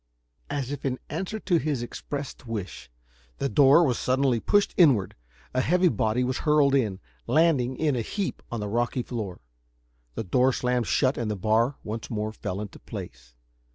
As if in answer to his expressed wish, the door was suddenly pushed inward, a heavy body was hurled in, landing in a heap on the rocky floor. The door slammed shut and the bar once more fell into place.